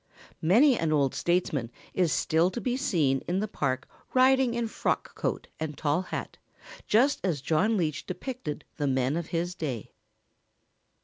Many an old statesman is still to be seen in the Park riding in frock coat and tall hat, just as John Leech depicted the men of his day.